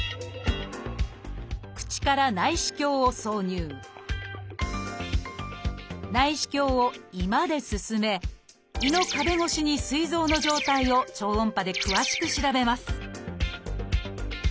口から内視鏡を挿入内視鏡を胃まで進め胃の壁越しにすい臓の状態を超音波で詳しく調べます